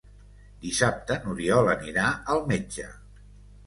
Dissabte n'Oriol anirà al metge.